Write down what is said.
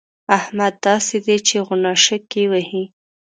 احمد داسې دی چې غوڼاشکې وهي.